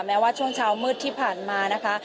แม้ว่าช่วงเช้ามืดที่ผ่านมานะคะ